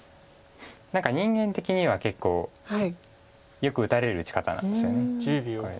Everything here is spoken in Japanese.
何か人間的には結構よく打たれる打ち方なんですよねこれ。